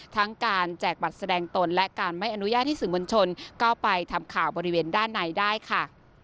ทั้งการแจกบัตรแสดงตนและการไม่อนุญาตให้สื่อมวลชนเข้าไปทำข่าวบริเวณด้านในได้ค่ะ